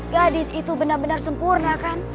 gadis itu benar benar sempurna kan